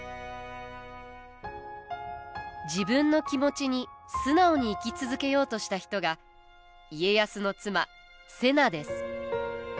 自分の気持ちに素直に生き続けようとした人が家康の妻瀬名です。